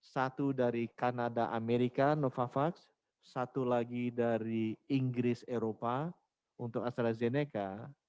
satu dari kanada amerika novavax satu lagi dari inggris eropa untuk astrazeneca